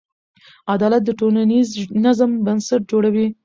عدالت د ټولنیز نظم بنسټ جوړوي.